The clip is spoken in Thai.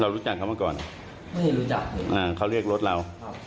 รู้จักเขามาก่อนไม่รู้จักอ่าเขาเรียกรถเราครับ